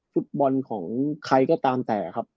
ฟุตบอลของใครก็ตามแต่ครับ